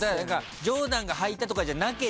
ジョーダンが履いたとかじゃなければ。